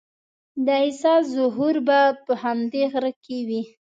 د عیسی ظهور به په همدې غره کې وي.